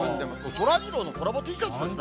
そらジローのコラボＴシャツですね。